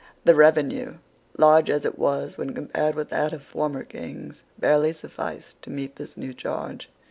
The revenue, large as it was when compared with that of former Kings, barely sufficed to meet this new charge.